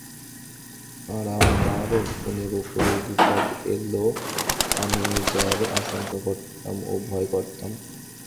আর আমার বোনের উপর ঐ বিপদ এল আমি যার আশংকা করতাম ও ভয় করতাম।